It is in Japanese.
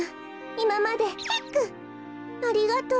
いままでヒックありがとう。